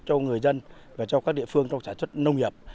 cho người dân và cho các địa phương trong sản xuất nông nghiệp